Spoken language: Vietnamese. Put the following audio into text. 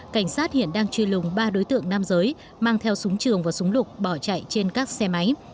cảnh sát hiện đang truy lùng ba đối tượng nam giới mang theo súng trường và súng lục bỏ chạy trên các xe máy